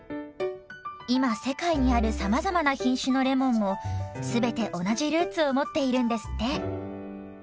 今世界にあるさまざまな品種のレモンも全て同じルーツを持っているんですって。